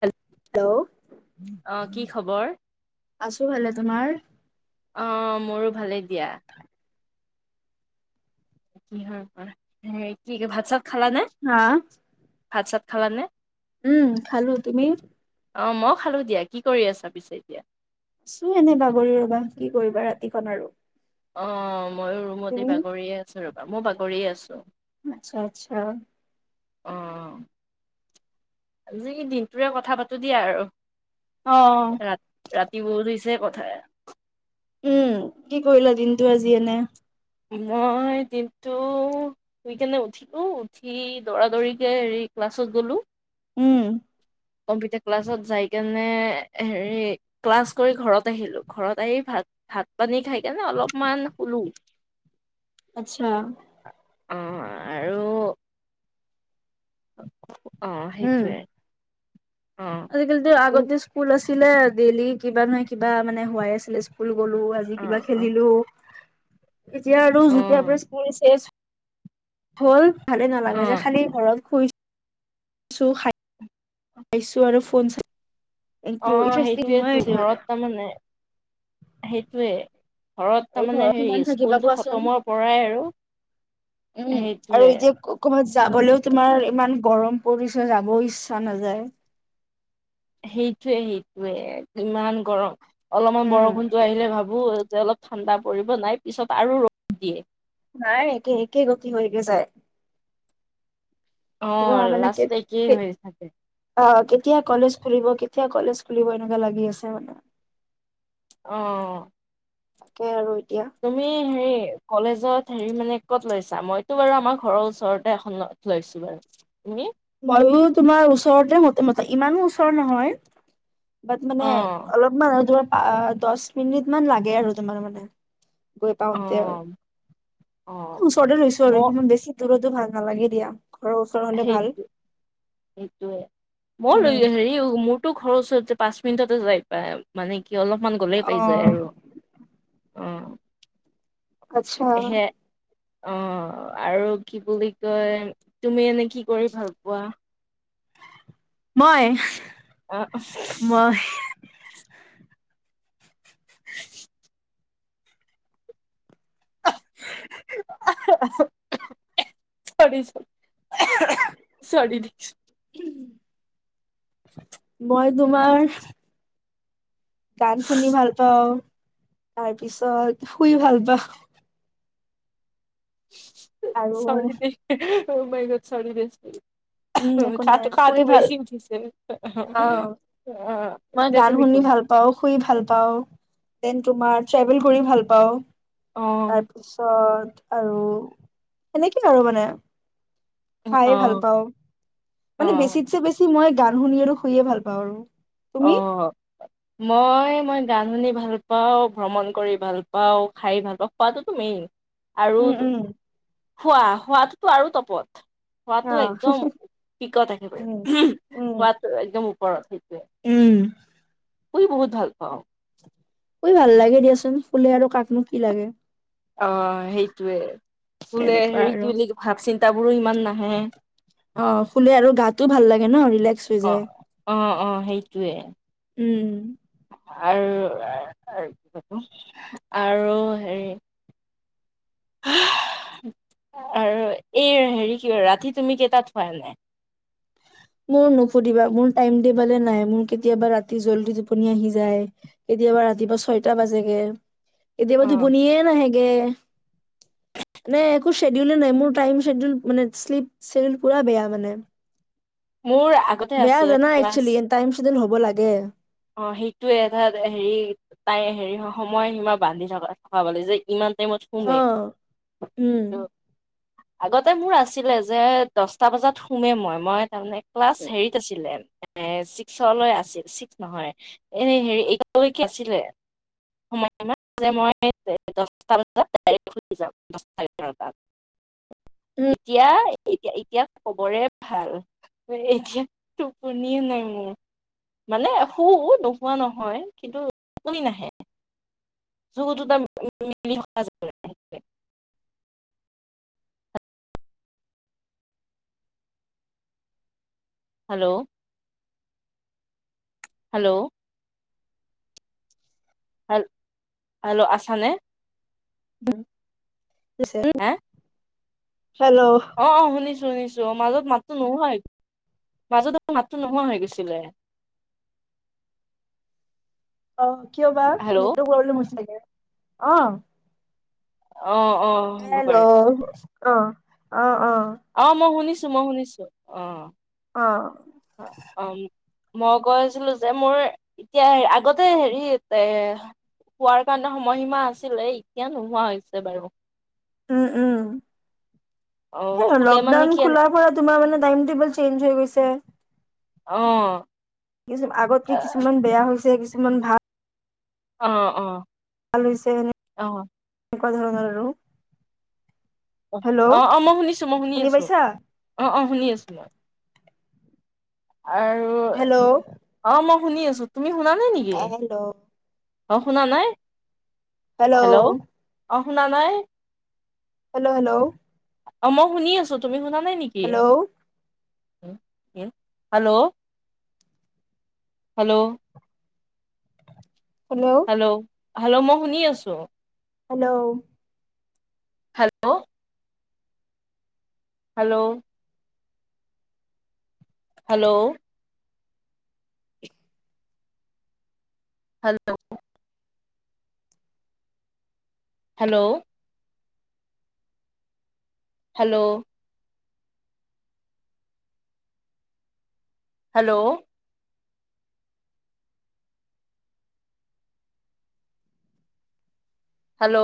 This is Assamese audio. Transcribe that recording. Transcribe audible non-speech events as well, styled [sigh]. হেল, হেল্ল' অ কি খবৰ? আছো ভালে, তোমাৰ? অ', মোৰো ভালেই দিয়া। কি হয় কি ভাত চাত খালানে হা? ভাত চাত খালা নে? উম খাল, তুমি? অ, মইও খালো দিয়া, কি কৰি আছা পিছে এতিয়া? চো এনে বাগৰি ৰবা কি কৰিবা ৰাতিখন আৰু। অ', মইো ৰুমতী তুমি? বাগৰিয়ে আছো ৰবা মই বাগৰিয়ে আছো। আচ্ছা আচ্ছা। অ', আজি দিনটোৰে কথা পাতো দিয়া আৰু। অ ৰাতি ৰাতি বহুত হৈছে কথাই উম কি কৰিলা দিনটো আজি এনে মই দিনটো শুই কেনে উঠিলো উঠি দৌৰা দৌৰিকে হেৰি ক্লাছত গলো উম কম্পিউটাৰ ক্লাছত জগ মানে হেৰি ক্লাছ কৰি ঘৰত আহিলো ঘৰত আহি ভাত ভাত পানী খাই কেনে অলপ অলপমান শুলো। আচ্ছা। অ', আৰু অ, উম সেইটোৱে। অ আজিকালিতো তুম আগতে স্কুল আছিলে ডেইলি কিবা নহয় কিবা মানে হোৱাই আছিলে স্কুল গলো আজি অ কিবা অ খেলিলো এতিয়া আৰু অ যেতিয়া আপোনাৰ স্কুলে হ'ল ভালে অ নালাগে যে খালি ঘৰত শুইছ খাইছো আৰু ফোন চাই অ একো ইণ্টাৰেষ্টিং নোহোৱাই সেইটোয়েেতো হৈছে মানে ঘৰত তাৰমানমানে সেইটয়ে ঘৰত আৰু তাৰমানে কিমান হেৰি থাকিবা স্কুলটো কোৱাচোন খতমৰ পৰাই আৰু উম আৰু সেইটোৱে এতিয়া ক'বাত যাবলৈও তোমাৰ ইমান গৰম পৰিচয় যাবও ইচ্ছা নাযায় সেইটয়ে সেইটয়ে ইমান গৰম অলপমান উম বৰষুণতো আহিলে ভাবো যে অলপ ঠাণ্ডা পৰিব নাই পিছত আৰু ৰ'দ দিয়ে নাই এে একে গক হৈ গ যায় অ', মানে লাষ্টত একেই হৈ থাকে অ কেতিয়া কলেজ ফুলব কেতিয়া কলেজ খুলিব এনেকুৱা লাগি আছে মানে আহ তাকে আৰু এতিয়া তুমি হেৰি কলেজত হেৰি মানে ক'ত লৈছা মইতো বাৰু আমাৰ ঘৰৰ ওচৰতে এখন লৈছো বাৰু তুমি মইো তোমাৰ ওচৰতে ম ম ইমানো ওচৰ নহয় বাট মানে অ', অলপমান আৰু ধ দহ মিনিট মান লাগে আৰু তোমাৰ মানে গৈ পাওতে আৰু অ', অ', এ ওচৰতে ৈছো আৰু মই ইমান বেছি দূৰতো ভাল নালাগে দিয়া ঘৰৰ ওচৰ হতে ভাল সেইটোোৱে মই উম লৈ আছে হেৰি মোৰতো ঘৰৰ ওচৰত যে পাঁচ মিনিটতে যাই পায় মানে কি অলপমান গ'লেই অ পাই যায় আৰু আহ আচ্ছা অ আৰু কি বুলি কয় তুমি এনে কি কৰি ভাল পোৱা মই আহ মই চৰিি চ চৰি দি। উম। [unintelligible] মই তোমাৰ গান শুনি ভাল পাওঁ, তাৰপিছত শুই ভাল পাওঁ। আৰু চৰি দে অ মে গত চৰি দি আছি। উম একো নাই চাতো শুই খাটো-খোৱাটো ভাল বেছিঠছে অ অ, মই এতিয়া গান তুমি শুনি কোৱা। ভাল, পাওঁ শুই ভাল পাওঁ, দেন তোমাৰ ট্ৰেভেল কৰি ভাল পাওঁ। অ', তাৰপিছত আৰু এনেকেই আৰু মানে। খাইে ভাল অ', পাওঁ, মানে অ', বেছিতছে বেছি মই গান শুনি আৰু শুইে ভাল পাওঁ আৰু। অ তুমি মই মই গান শুনি ভাল পাওঁ, ভ্ৰমণ কৰি ভাল পাওঁ, খাই ভাল পাওঁ, খোৱাতোটো মেইন। আৰু উম, উম। খোৱা খোৱাাতোটো আৰু তপত। অ খোৱটো একদম পিকত একেবাৰে উম উহু, উম খোৱটো একদম ওপৰত। উম। মুই বহুত ভাল পাওঁ। উই ভাল লাগে দিয়াচোন ফুলে আৰু কাকনো কি লাগে। অ', সেইটয়ে বোলে এনেকুৱা হেৰি আৰু কি বুলি ভাৱ চিন্তাাবোৰো ইমান নাহে। অ, শুলে আৰু গাটোও ভাল লাগে ন ৰিলেক্স হৈ যায়। ইটোৱে। উম আৰ-ৰু আৰু কি কয় এটো আৰু হেৰি [inaudible] [inaudible] আৰু এই হেৰি কি ৰাতি তুমি কেইটাত শুৱা এনে? মোৰ নুসুধিবা মোৰ টাইম টেবলে নাই, মোৰ কেতিয়াবা ৰাতি জল্দি টোপনি আহি যায়। কেতিয়াবা ৰাতিপুৱা ছয়টা বাজেগে, কেতিয়াবা অ' টোপনিয়ে নাহেগে। [inaudible] মানে একো শ্বেডুলেই নাই, মোৰ টাইম শ্বেডুল মানে শ্লিপ শ্বেডুল পোৰা বেয়া মানে। মোৰ আগতে বেয়া আছিল জানা ক্লাছ একচলি, টাইম শ্বেডুল হ'ব লাগে। অ, হেইটোয়ে এটাত হেৰি তাই হেৰি হময় হিমা বান্ধি থকা থকাবলে যেই ইমান টাইমত অ শুমে। উম আগতে মোৰ আছিলে যে দচটা বজাত শুমে মই, মই তাৰমানে ক্লাছ হেৰিত আছিলে এ, ছিক্সলৈ আছিল ছিক্স। নহয় এ, হেৰি এতিালৈকে আছিলে। [unintelligible] উম এতিয়াই? এতিয়া - এতিয়া কবৰে ভাল, এতিয়া টোপনিয়ে নাই মোৰ। মানে শু নোহোৱা নহয় কিন্তু টোপনি নাহে। [unintelligible] হেল্ল', হেল্ল', হেল হেল্ল', আছানে? উম, উম্চ অ-অ, শুনিছো-শুনিছো মাজত মাতটো নোহোৱা হৈ মাজত আ, মাতটো নোহোৱা হৈ গৈছিলে। [inaudible] অ, কিয় বা হেল্ল' নেটটো পবলেম হৈছে ছাগে। অ, অ অ হ'ব পাৰে হেল্ল', অ-অ-অ। অ, মই শুনিছো -মই শুনিছো। অ, অ অম মই কৈ আছিলো যে মোৰ এতিয়া আগতে হেৰি এ। হোৱাৰ কাৰণে সময়সীমা আছিলে এতিয়া নোহোৱা হৈছে বাৰু। উম- অ উম শুলে মানে লকডাউন কি এনে খোলাৰ পৰা তোমাৰ টাইম টেবুল চেইঞ হৈ গৈছে। অ', কিছুমান আগতকে অ কিছুমান বেয়া হৈছে কিছুমান ভাল। অ - অ। এনেকুৱা ধৰণৰ আৰু। অ হেল্ল' - অ মই শুনিছো মই শুনি আছো অ - অ শুনি আছো মই। আৰু হেল্ল' অ মই শুনি আছো তুমি শুনা নাই নেকি? হেল্ল' অ, শুনা নাই। হেল্ল', অহ, শুনা নাই। Hello- hello. অ, মই শুনি আছো তুমি শুনা নাই নেকি? Hello hello- hello. Hello hello-hello, মই শুনি আছো। Hello, hello, hello, hello, hello hello hello hello hello